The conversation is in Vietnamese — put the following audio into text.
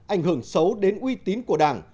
ảnh hưởng xấu đến uy tín của đảng